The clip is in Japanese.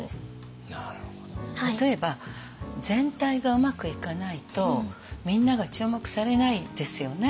例えば全体がうまくいかないとみんなが注目されないですよね。